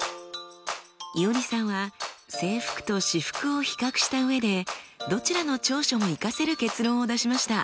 いおりさんは制服と私服を比較した上でどちらの長所も生かせる結論を出しました。